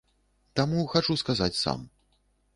Таму хачу сказаць сам.